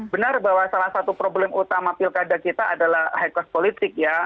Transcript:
benar bahwa salah satu problem utama pilkada kita adalah high cost politik ya